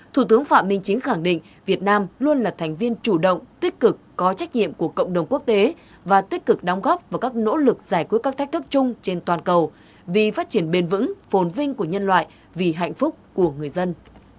thủ tướng phạm minh chính khẳng định việt nam luôn là thành viên chủ động tích cực có trách nhiệm của cộng đồng quốc tế và tích cực đóng góp vào các nỗ lực giải quyết các thách thức chung trên toàn cầu vì phát triển bền vững phồn vinh của nhân loại vì hạnh phúc của người dân